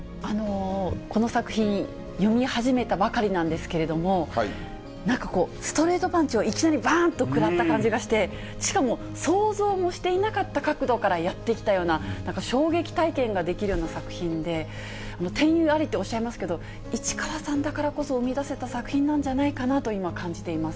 この作品、読み始めたばかりなんですけれども、なんかこう、ストレートパンチをいきなりばーんと食らった感じで、しかも想像もしていなかった角度からやって来たような、なんか衝撃体験ができるような作品で、天祐ありっておっしゃいますけど、市川さんだからこそ生み出せた作品なんじゃないかなと今、感じています。